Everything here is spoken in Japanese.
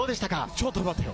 ちょっと待ってよ！